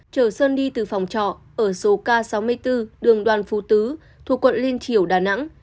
chở sơn đi từ phòng trọ ở số k sáu mươi bốn đường đoàn phú tứ thuộc quận liên triều đà nẵng